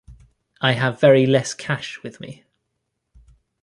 I have very less cash with me.